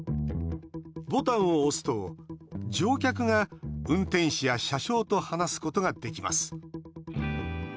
ボタンを押すと乗客が運転士や車掌と話すことができます。